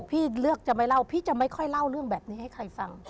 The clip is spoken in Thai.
พี่เลือกจะไม่เล่าพี่จะไม่ค่อยเล่าเรื่องแบบนี้ให้ใครฟัง